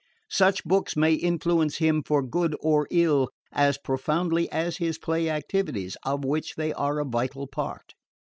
Such books may influence him for good or ill as profoundly as his play activities, of which they are a vital part.